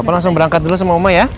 apa langsung berangkat dulu sama mama ya